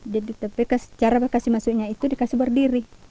jadi cara berkasih masuknya itu dikasih berdiri